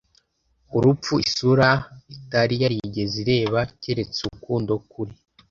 urupfu; isura itari yarigeze ireba keretse urukundo kuri